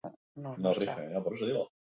Gainera, drama film onenari saria jaso du.